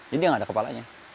jadi dia nggak ada kepalanya